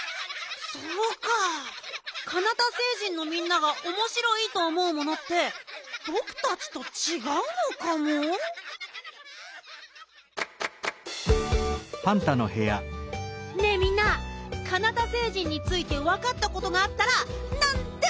そうかカナタ星人のみんながおもしろいとおもうものってぼくたちとちがうのかも。ねえみんなカナタ星人についてわかったことがあったらなんでもおしえて。